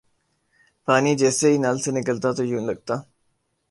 پانی جیسے ہی نل سے نکلتا تو یوں لگتا